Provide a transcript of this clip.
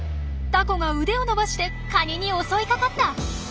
タコが腕を伸ばしてカニに襲いかかった！